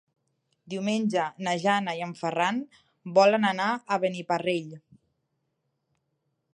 Diumenge na Jana i en Ferran volen anar a Beniparrell.